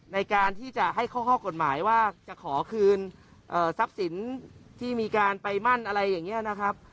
ในการที่จะให้ข้อกฎหมายว่าจะขอคืนทรัพย์สินที่มีการไปมั่นอะไรอย่างนี้นะครับ